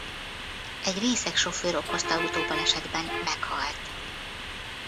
Egy részeg sofőr okozta autóbalesetben meghalt.